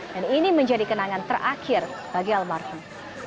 dan ini menjadi kenangan terakhir bagi almarhum